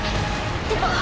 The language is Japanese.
でも。